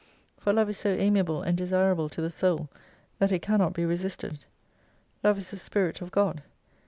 For love is so amiable and desirable to the Soul that it cannot be resisted. Love is the Spirit of God.